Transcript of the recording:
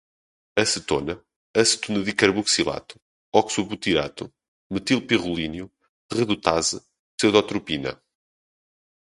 acetona, acetonedicarboxilato, oxobutirato, metilpirrolínio, redutase, pseudotropina